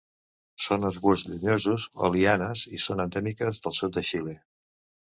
Són arbusts llenyosos o lianes i són endèmiques del sud de Xile.